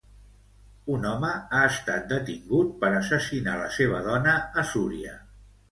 Un home ha estat detingut per assassinar la seva dona a Súria.